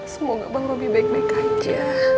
semoga bang roby baik baik aja